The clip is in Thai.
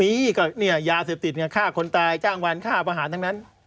มีก็เนี่ยยาเสพติดเนี่ยฆ่าคนตายจ้างวันฆ่าประหารทั้งนั้น